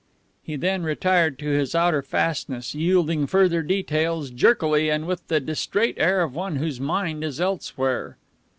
He then retired to his outer fastness, yielding further details jerkily and with the distrait air of one whose mind is elsewhere.